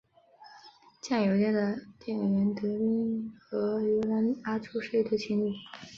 酱油店的店员德兵卫和游女阿初是一对情侣。